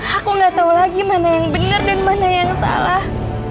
aku gak tau lagi mana yang bener dan mana yang salah